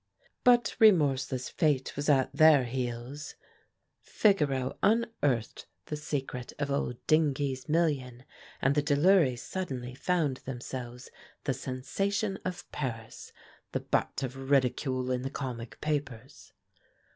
But remorseless fate was at their heels. Figaro unearthed the secret of old Dingee's million, and the Delurys suddenly found themselves the sensation of Paris, the butt of ridicule in the comic papers.